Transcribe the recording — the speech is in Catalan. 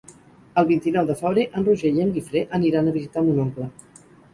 El vint-i-nou de febrer en Roger i en Guifré aniran a visitar mon oncle.